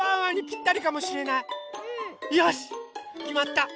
よしっきまった！